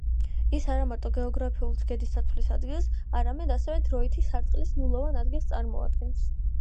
ის არამარტო გეოგრაფიულ გრძედის ათვლის ადგილს, არამედ ასევე დროითი სარტყლის ნულოვან ადგილს წარმოადგენს.